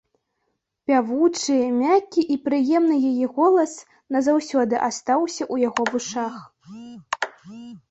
Пявучы, мяккі і прыемны яе голас назаўсёды астаўся ў яго вушах.